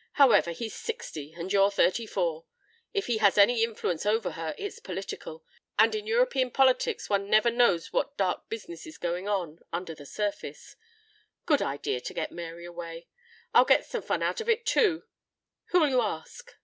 ... However, he's sixty and you're thirty four. If he has any influence over her it's political, and in European politics one never knows what dark business is going on under the surface. Good idea to get Mary away. I'll get some fun out of it, too. Who'll you ask?"